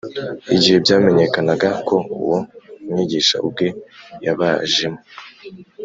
igihe byamenyekanaga ko uwo mwigisha ubwe yabajemo,